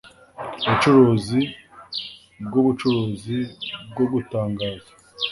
ubucuruzi bwubucuruzi bwo gutangaza,